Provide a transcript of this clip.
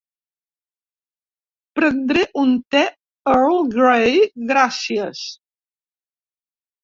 Prendré un te Earl Grey, gràcies.